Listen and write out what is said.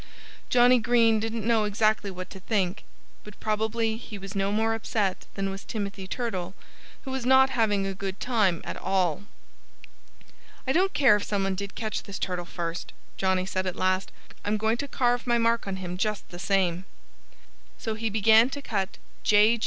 Johnnie Green didn't know exactly what to think. But probably he was no more upset than was Timothy Turtle, who was not having a good time at all. "I don't care if some one did catch this turtle first," Johnnie said at last. "I'm going to carve my mark on him just the same." So he began to cut "J.